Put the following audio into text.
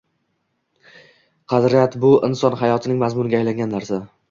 Qadriyat bu inson hayotining mazmuniga aylangan narsa